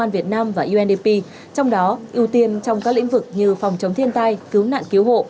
việt nam và undp trong đó ưu tiên trong các lĩnh vực như phòng chống thiên tai cứu nạn cứu hộ